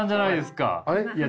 いや